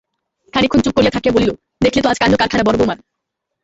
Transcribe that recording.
খানিকক্ষণ চুপ করিয়া থাকিয়া বলিল, দেখলে তো আজ কাণ্ডখানা বড়-বৌমার?